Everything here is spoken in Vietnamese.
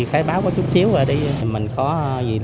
khai báo có chút xíu ra đi